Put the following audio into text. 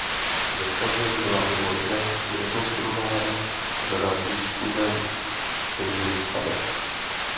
Ve skanzenu byla mimo jiné zrekonstruována řada výzkumem doložených staveb.